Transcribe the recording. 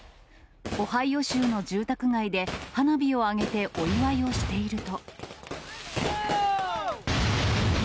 オハイオ州の住宅街で、花火を上げてお祝いをしていると。